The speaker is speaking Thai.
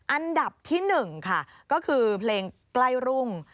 อันดับที่๑ค่ะก็คือเพลงใกล้รุ่ง